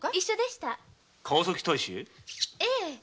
ええ。